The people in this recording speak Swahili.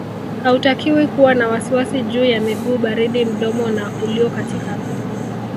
Hautakiwi kuwa na wasiwasi juu ya miguu baridi mdomo na uliokatika